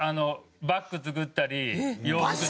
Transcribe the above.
バッグ作ったり洋服作ったり。